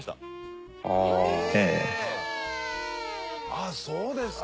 あっそうですか。